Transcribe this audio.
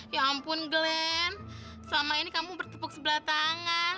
ya ampun glenn selama ini kamu bertepuk sebelah tangan